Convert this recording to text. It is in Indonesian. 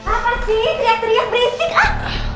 apa sih teriak teriak berisik pak